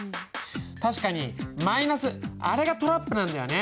確かにマイナスあれがトラップなんだよね。